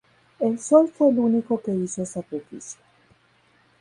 El sol fue el único que hizo sacrificio.